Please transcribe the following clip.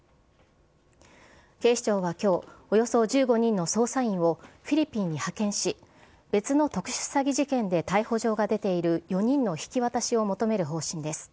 警視庁はきょう、およそ１５人の捜査員をフィリピンに派遣し、別の特殊詐欺事件で逮捕状が出ている４人の引き渡しを求める方針です。